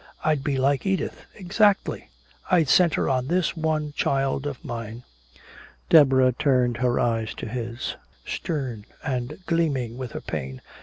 I'd be like Edith exactly! I'd center on this one child of mine!" Deborah turned her eyes to his, stern and gleaming with her pain.